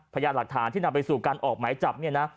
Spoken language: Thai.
พยาหลักฐานที่นำไปสู่ออกไหมจับ